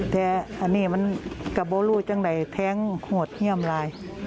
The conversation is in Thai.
แต่อันนี้มันกระโบรูจังใดแท้งโหดเยี่ยมลาย